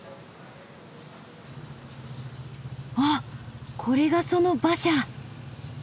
あっこれがその馬車！